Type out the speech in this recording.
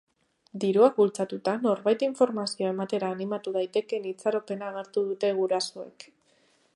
Diruak bultzatuta, norbait informazioa ematera animatu daitekeen itxaropena agertu dute gurasoek.